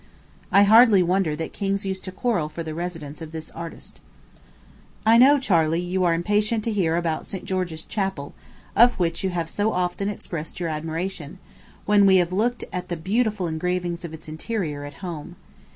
I hardly wonder that kings used to quarrel for the residence of this artist. I know, Charley, you are impatient to hear about St. George's Chapel, of which you have so often expressed your admiration, when we have looked at the beautiful engravings of its interior, at home.